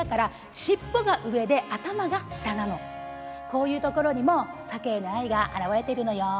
こういうところにも鮭への愛が表れてるのよ。